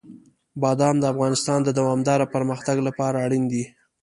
بادام د افغانستان د دوامداره پرمختګ لپاره اړین دي.